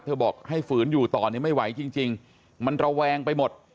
บอกให้ฝืนอยู่ต่อเนี่ยไม่ไหวจริงมันระแวงไปหมด